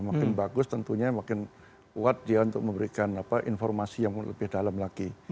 makin bagus tentunya makin kuat dia untuk memberikan informasi yang lebih dalam lagi